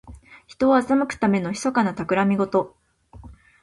人を欺くためのひそかなたくらみごと。